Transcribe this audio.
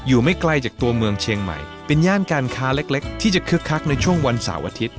ไม่ไกลจากตัวเมืองเชียงใหม่เป็นย่านการค้าเล็กเล็กที่จะคึกคักในช่วงวันเสาร์อาทิตย